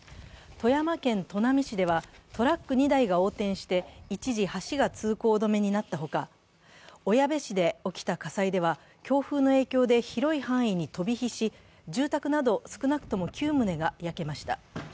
富山県砺波市ではトラック２台が横転して一時、橋が通行止めになったほか、小矢部市で起きた火災では、強風の影響で広い範囲に飛び火し、住宅など少なくとも９棟が焼けました。